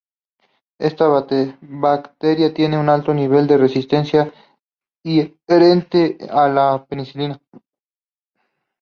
Esta bacteria tiene un alto nivel de resistencia inherente a la penicilina.